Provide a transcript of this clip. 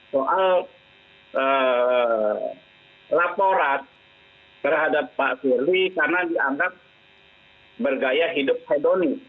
soal laporan terhadap pak firly karena dianggap bergaya hidup hedoni